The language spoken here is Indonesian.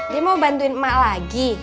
dia mau bantuin emak lagi